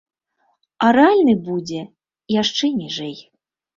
А рэальны будзе яшчэ ніжэй.